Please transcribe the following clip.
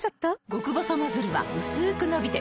極細ノズルはうすく伸びて